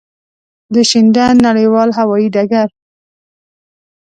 د شینډنډ نړېوال هوایی ډګر.